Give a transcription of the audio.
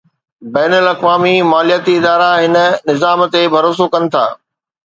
بين الاقوامي مالياتي ادارا هن نظام تي ڀروسو ڪن ٿا.